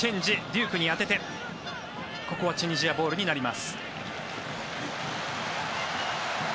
デュークに当てて、ここはチュニジアボールになります。